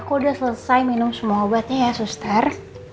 aku udah selesai minum semua obatnya ya suster